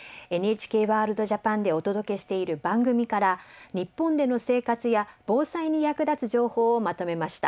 「ＮＨＫワールドＪＡＰＡＮ」でお届けしている番組から日本での生活や防災に役立つ情報をまとめました。